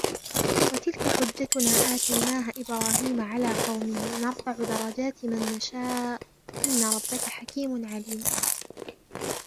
وَتِلْكَ حُجَّتُنَا آتَيْنَاهَا إِبْرَاهِيمَ عَلَى قَوْمِهِ نَرْفَعُ دَرَجَاتٍ مَنْ نَشَاءُ إِنَّ رَبَّكَ حَكِيمٌ عَلِيمٌ